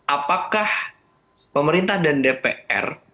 apakah pemerintah dan dpr